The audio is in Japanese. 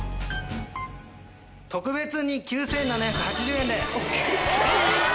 特別に９７８０円で。